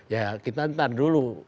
ya kita ntar dulu